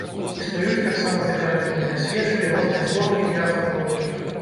Існуюць таксама дэкаратыўныя свечкі рознай формы і афарбоўкі.